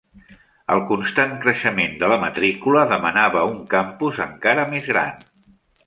El constant creixement de la matrícula demanava un campus encara més gran.